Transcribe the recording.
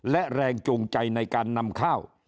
และแรงจูงใจในการนำข้าว